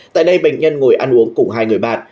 tại đây bệnh nhân ngồi ăn uống cùng hai người bạn